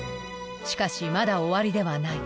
しかしまだ終わりではない。